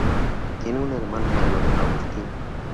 Tiene un hermano mayor, Agustín.